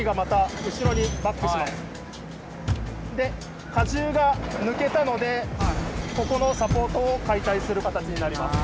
で荷重が抜けたのでここのサポートを解体する形になります。